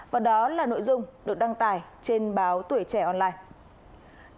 và đó là nội dung được đăng tải trên báo tuổi trẻ online